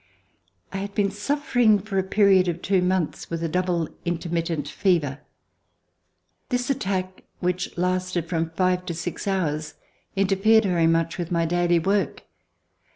I had been suffering for a period of two months with a double intermittent fever. This attack which lasted from five to six hours interfered very much with my daily work.